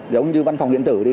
giống như văn phòng điện tử đi